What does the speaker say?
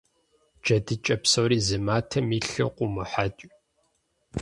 Джэдыкӏэ псори зы матэм илъу къыумыхьэкӏ.